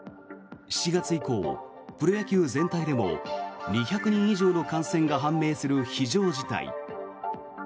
７月以降、プロ野球全体でも２００人以上の感染が判明する非常事態。